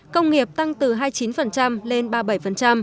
công nghiệp tăng từ hai mươi chín lên ba mươi bảy